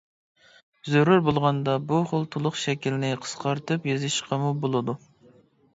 زۆرۈر بولغاندا بۇ خىل تولۇق شەكىلنى قىسقارتىپ يېزىشقىمۇ بولىدۇ.